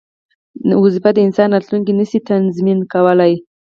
دنده د انسان راتلوونکی نه شي تضمین کولای.